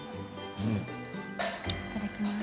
いただきます。